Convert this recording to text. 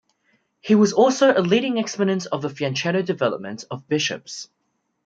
He was also a leading exponent of the fianchetto development of bishops.